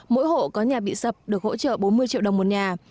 mỗi hộ có nhà bị sập được hỗ trợ bốn mươi triệu đồng một nhà